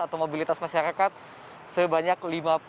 atau mobilitas masyarakat sebanyak